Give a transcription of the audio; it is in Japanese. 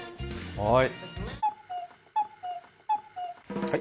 はい。